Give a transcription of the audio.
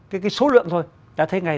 cái số lượng thôi ta thấy ngay